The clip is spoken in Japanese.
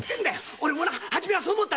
俺も初めはそう思った。